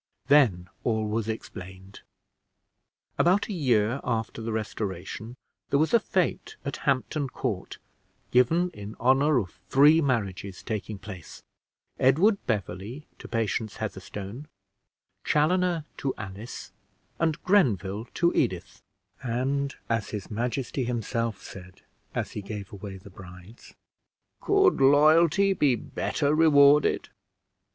Then all was explained. About a year after the Restoration, there was a fete at Hampton Court, given in honor of three marriages taking place Edward Beverley to Patience Heatherstone, Chaloner to Alice, and Grenville to Edith; and, as his majesty himself said, as he gave away the brides, "Could loyalty be better rewarded?"